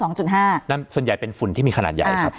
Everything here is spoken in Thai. ส่วนใหญ่เป็นฝุ่นที่มีขนาดใหญ่ครับ